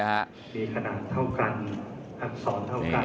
มีคณะเท่ากันศรเท่ากัน